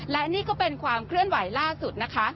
และนี่ก็เป็นความเคลื่อนไหวล่าสุดนะคะ